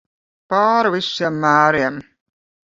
Pāri visiem mēriem.